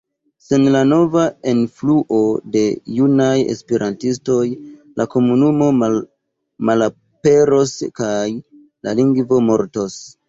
Sen la nova enfluo de junaj esperantistoj, la komunumo malaperos kaj la lingvo mortos.